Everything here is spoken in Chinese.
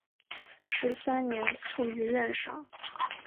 十三年卒于任上。